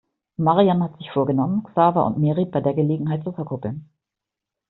Marian hat sich vorgenommen, Xaver und Merit bei der Gelegenheit zu verkuppeln.